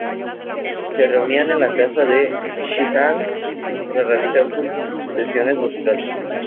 Se reunían en la casa de Sheehan para realizar sus sesiones musicales.